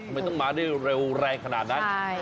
ไม่ต้องมาได้เร็วแรงขนาดนั้น